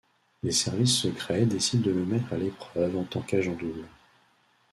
Les Services Secrets décident de le mettre à l’épreuve en tant qu’agent double.